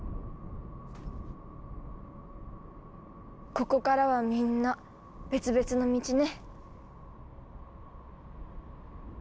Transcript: ここからはみんな別々の道ね。